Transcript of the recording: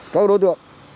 các đối tượng